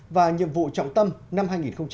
và nhiệm vụ trọng tâm năm hai nghìn một mươi bảy